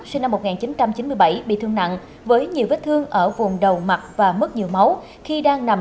sinh năm một nghìn chín trăm chín mươi bảy bị thương nặng với nhiều vết thương ở vùng đầu mặt và mất nhiều máu khi đang nằm